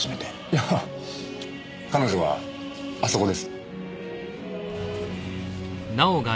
いやぁ彼女はあそこです。